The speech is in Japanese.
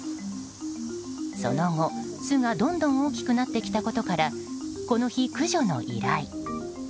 その後、巣がどんどん大きくなってきたことからこの日、駆除の依頼。